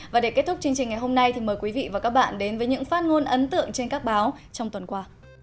và để kết thúc chương trình ngày hôm nay thì mời quý vị và các bạn đến với những phát ngôn ấn tượng trên các báo trong tuần qua